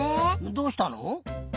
どうしたの？